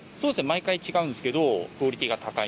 毎回違うんですけど。